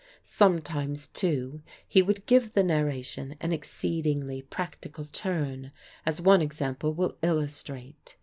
Sometimes, too, he would give the narration an exceedingly practical turn, as one example will illustrate.